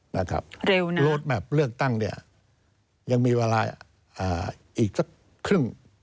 โลดแมพเลือกตั้งเนี่ยยังมีเวลาอีกสักครึ่ง